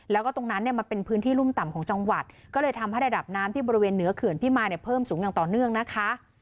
แล้วก็ตรงนั้นเนี่ยมันเป็นพื้นที่รุ่มต่ำของจังหวัดก็เลยทำให้ระดับน้ำที่บริเวณเหนือเขื่อนที่มาเนี่ยเพิ่มสูงอย่างต่อเนื่องนะคะ